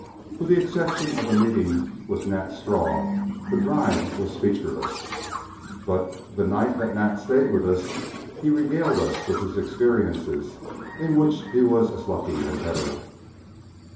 With the exception of the meeting with Nat Straw, the drive was featureless, but the night that Nat stayed with us, he regaled us with his experiences, in which he was as lucky as ever.